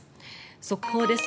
速報です。